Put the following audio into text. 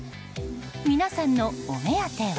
皆さんのお目当ては。